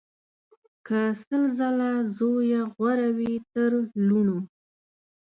که سل ځله زویه غوره وي تر لوڼو